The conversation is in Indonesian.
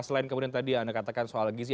selain kemudian tadi anda katakan soal gizi